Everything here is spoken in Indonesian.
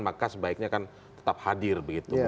maka sebaiknya akan tetap hadir begitu